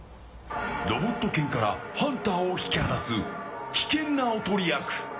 ロボット犬からハンターを引き離す危険なおとり役。